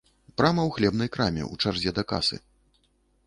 Прама ў хлебнай краме ў чарзе да касы.